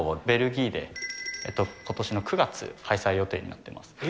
ベルギーで、ことしの９月開催予定になっています。